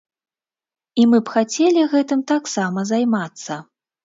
І мы б хацелі гэтым таксама займацца.